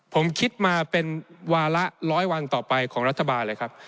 ผมคิดมาเป็นวาระร้อยวันต่อไปของรัฐบาลเลยครับ